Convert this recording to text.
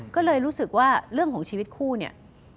ก็เลยรู้สึกว่าเรื่องของชีวิตคู่เนี่ย